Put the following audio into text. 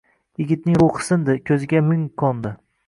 Yigitning ruhi sindi, ko’ziga mung qo’ndi.